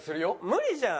無理じゃん。